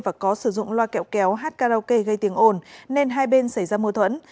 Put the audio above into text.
và có sử dụng loa kẹo kéo hát karaoke gây tiếng ồn nên hai bên xảy ra mô thuẫn